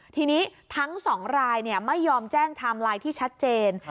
ทีนี้ทั้งสองรายไม่ยอมแจ้งไทม์ไลน์ที่ชัดเจน